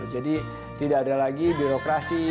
jadi tidak ada lagi birokrasi